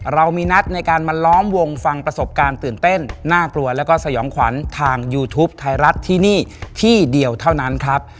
เรามีนัดในการมาล้อมวงฟังประสบการณ์ตื่นเต้นน่ากลัวแล้วก็สยองขวัญทางยูทูปไทยรัฐที่นี่ที่เดียวเท่านั้นครับ